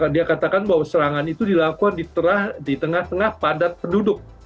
dia katakan bahwa serangan itu dilakukan di tengah tengah padat penduduk